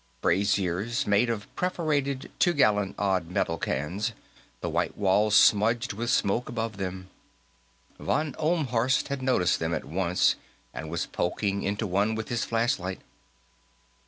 Braziers, made of perforated two gallon odd metal cans, the white walls smudged with smoke above them. Von Ohlmhorst had noticed them at once, and was poking into one of them with his flashlight.